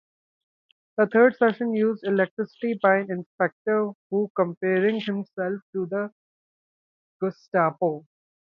A third session used electricity by an inspector who comparing himself to the Gestapo.